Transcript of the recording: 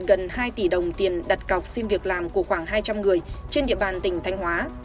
gần hai tỷ đồng tiền đặt cọc xin việc làm của khoảng hai trăm linh người trên địa bàn tỉnh thanh hóa